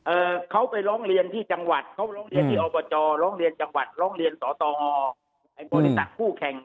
เขาไปร้องเรียนที่จังหวัดเขาร้องเรียนที่อบจร้องเรียนจังหวัดร้องเรียนสตงไอ้บริษัทคู่แข่ง